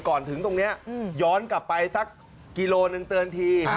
ถึงตรงนี้ย้อนกลับไปสักกิโลหนึ่งเตือนที